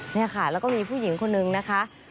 นี่ค่ะแล้วก็มีผู้หญิงคนนึงนะคะ